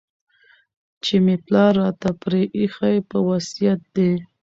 چي مي پلار راته پرې ایښی په وصیت دی